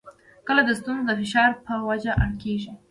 کله د ستونزو د فشار په وجه اړ کېږي.